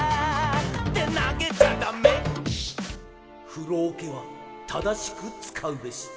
「ふろおけはただしくつかうべし」